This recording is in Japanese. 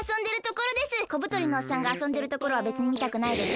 こぶとりのおっさんがあそんでるところはべつにみたくないです。